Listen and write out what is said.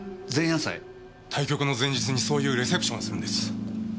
対局の前日にそういうレセプションをするんです。